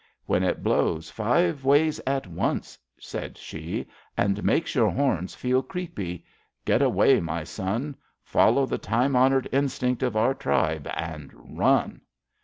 When it blows five ways at once,'' said she, and makes your horns feel creepy, get away, my son. Follow the time honoured instinct of our tribe, and run.